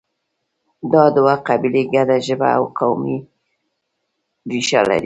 دا دوه قبیلې ګډه ژبه او قومي ریښه لري